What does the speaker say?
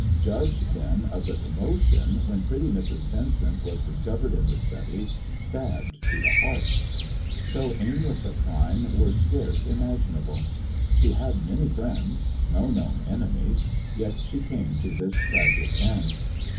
Judge, then, of the commotion, when pretty Mrs. Vincent was discovered in the study, stabbed to the heart. So aim less a crime were scarce imaginable. She had many friends, no known enemies, yet she came to this tragic end.